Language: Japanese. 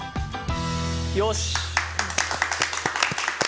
よし！